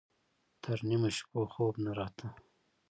تر نيمو شپو خوب نه راته.